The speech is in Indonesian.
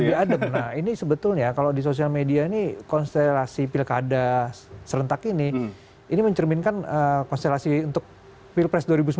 lebih adem nah ini sebetulnya kalau di sosial media ini konstelasi pilkada serentak ini ini mencerminkan konstelasi untuk pilpres dua ribu sembilan belas